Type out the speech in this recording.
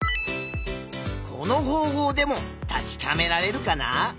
この方法でも確かめられるかな？